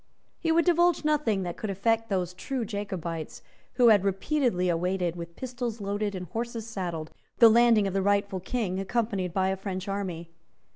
He would divulge nothing that could affect those true Jacobites who had repeatedly awaited, with pistols loaded and horses saddled, the landing of the rightful King accompanied by a French army.